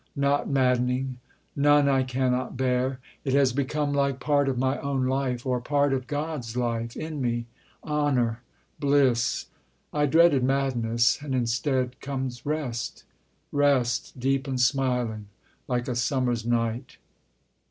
Not maddening. None I cannot bear. It has become like part of my own life, Or part of God's life in me honour bliss! I dreaded madness, and instead comes rest; Rest deep and smiling, like a summer's night.